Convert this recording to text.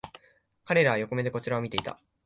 彼らは横目でこちらを見ていた